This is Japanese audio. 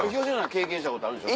経験したことあるんでしょ？